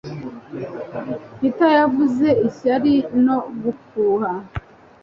Peter yuzuye ishyari no gufuha